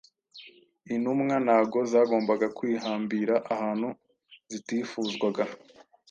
intumwa ntabwo zagombaga kwihambira ahantu zitifuzwaga.